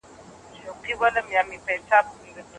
که ځمکه خړوبه کړو نو وچکالي نه راځي.